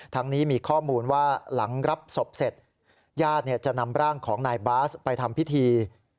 ทั้งนี้มีข้อมูลว่าหลังรับศพเสร็จญาติจะนำร่างของนายบาสไปทำพิธี